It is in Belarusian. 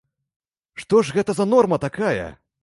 Што ж гэта за норма такая?